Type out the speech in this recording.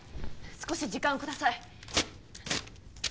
少し時間をください。